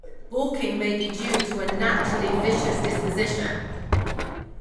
Balking may be due to a naturally vicious disposition.